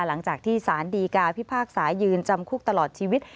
หลังจากที่สารดีกาพิพากษายืนจำคุกตลอดชีวิต